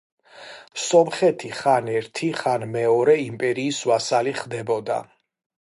სომხეთი ხან ერთი ხან მეორე იმპერიის ვასალი ხდებოდა.